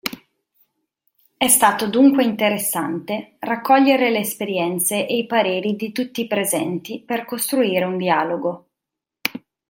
È stato dunque interessante raccogliere le esperienze e i pareri di tutti i presenti per costruire un dialogo.